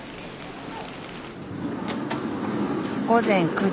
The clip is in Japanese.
午前９時。